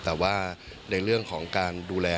แต่ว่าในเรื่องของการดูแล